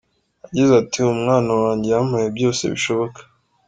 Yagize ati “Umwana wanjye yampaye byose bishoboka.